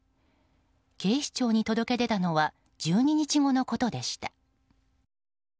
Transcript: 警視庁に届け出たのは１２日後のことでした。